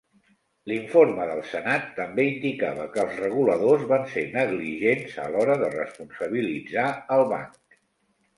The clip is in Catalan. L'informe del Senat també indicava que els reguladors van ser negligents a l'hora de responsabilitzar el banc.